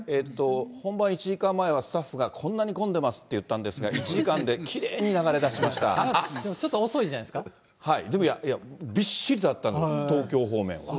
本番１時間前は、スタッフがこんなに混んでますと言ったんですが、１時間できれいちょっと遅いんじゃないですいや、びっしりだったんです、東京方面。